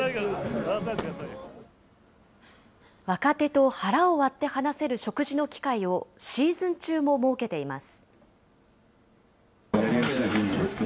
若手と腹を割って話せる食事の機会をシーズン中も設けています。